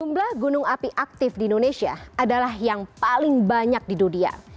jumlah gunung api aktif di indonesia adalah yang paling banyak di dunia